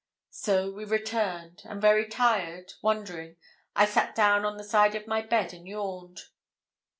So we returned, and very tired, wondering, I sat down on the side of my bed and yawned.